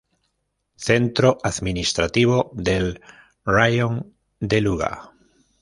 Centro administrativo del raión de Luga.